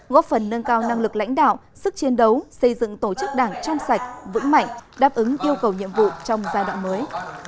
góp phần nâng cao năng lực lãnh đạo sức chiến đấu xây dựng tổ chức đảng trong sạch vững mạnh đáp ứng yêu cầu nhiệm vụ trong giai đoạn mới